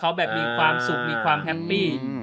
เขาฉนเกล้วมีความสุขมีความแฮปปี้